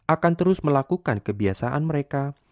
akan terus melakukan kebiasaan mereka